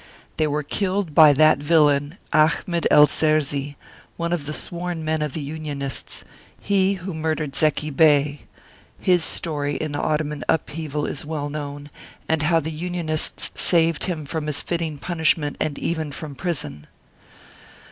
They were killed by that villain, Ahmed El Serzi, one of the sworn men of the Unionists, he who murdered Zeki Bey; his story in the Ottoman upheaval is well known, and how the Unionists saved him from his fitting punishment and even from prison.